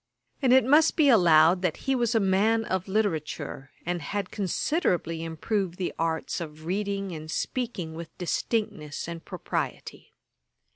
And it must also be allowed that he was a man of literature, and had considerably improved the arts of reading and speaking with distinctness and propriety.